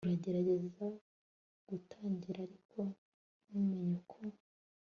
uragerageza gutangira, ariko ntumenye uko